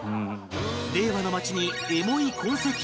令和の街にエモい痕跡あり